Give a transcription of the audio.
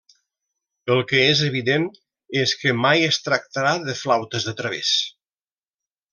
El que és evident és que mai es tractarà de flautes de través.